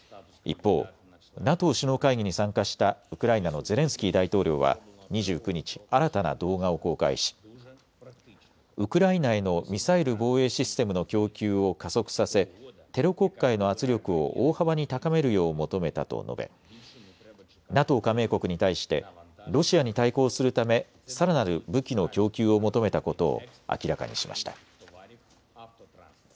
一方、ＮＡＴＯ首脳会議に参加したウクライナのゼレンスキー大統領は２９日、新たな動画を公開しウクライナへのミサイル防衛システムの供給を加速させテロ国家への圧力を大幅に高めるよう求めたと述べ、ＮＡＴＯ加盟国に対してロシアに対抗するためさらなる武器の供給を求めたことを明らかにしました。